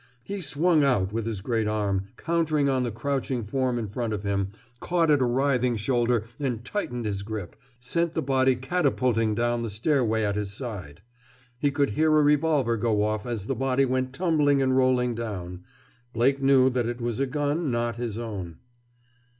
He swung out with his great arm, countered on the crouching form in front of him, caught at a writhing shoulder, and tightening his grip, sent the body catapulting down the stairway at his side. He could hear a revolver go off as the body went tumbling and rolling down—Blake knew that it was a gun not his own.